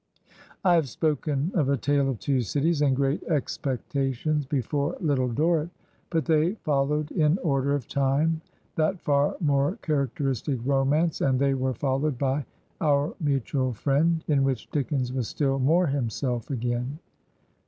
I have spoken of " A Tale of Two Cities " and " Great Expectations" before "Little Dorrit," but they followed in order of time that far more characteristic romance, and they were followed by "Our Mutual Friend," in which Dickens was still more himself again.